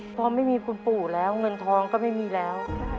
พอไม่มีคุณปู่แล้วเงินทองก็ไม่มีแล้ว